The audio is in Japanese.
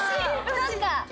そっか！